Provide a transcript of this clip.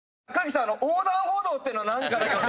さん横断歩道っていうのは何かだけ。